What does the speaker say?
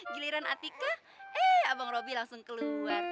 giliran atika eh abang robby langsung keluar